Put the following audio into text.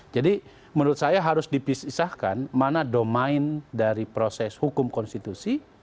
menurut saya harus dipisahkan mana domain dari proses hukum konstitusi